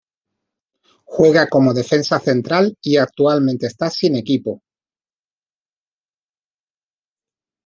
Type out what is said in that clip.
Juega como defensa central y actualmente está sin equipo.